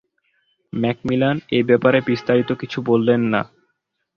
McMillan এ-ব্যাপারে বিস্তারিত কিছু বললেন না।